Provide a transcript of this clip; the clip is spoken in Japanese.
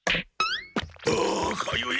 あかゆい！